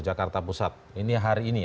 jakarta pusat ini hari ini ya